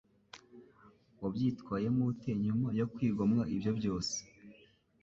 Wabyitwayemo ute nyuma yo kwigomwa ibyo byose?